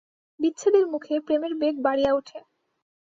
বিচ্ছেদের মুখে প্রেমের বেগ বাড়িয়া উঠে।